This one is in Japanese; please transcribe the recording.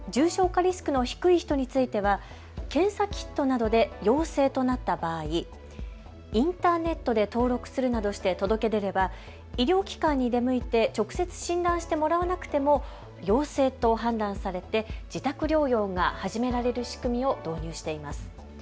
神奈川県と千葉県は重症化リスクの低い人については検査キットなどで陽性となった場合、インターネットで登録するなどして届け出れば医療機関に出向いて直接診断してもらわなくても陽性と判断されて自宅療養が始められる仕組みを導入しています。